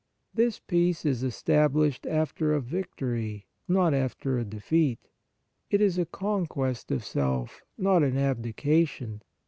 This peace is established after a victory, not after a defeat ; it is a conquest of self, not an abdication.